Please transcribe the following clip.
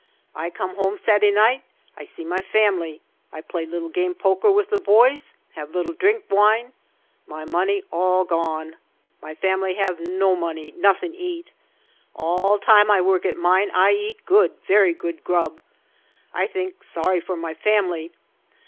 I come home sad'day nigh' I see my fam'ly. I play lir game poker with the boys, have HI' drink wine, my money all gone. My family have no money, nothing eat. All time I work at mine I eat, good, ver' good grub. I think sorry for my fam'ly.